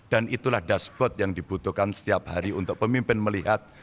dan itulah dashboard yang dibutuhkan setiap hari untuk pemimpin melihat